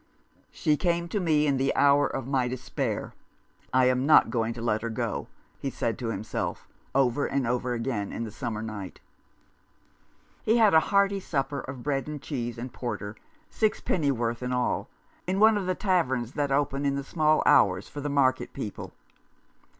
"She came to me in the hour of my despair. I am not going to let her go," he said to himself, over and over again in the summer night. He had a hearty supper of bread and cheese and porter — sixpennyworth in all, at one of the taverns that open in the small hours for the market people.